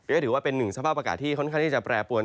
ก็ถือว่าเป็นหนึ่งสภาพอากาศที่ค่อนข้างที่จะแปรปวน